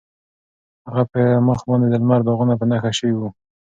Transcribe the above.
د هغه په مخ باندې د لمر داغونه په نښه شوي وو.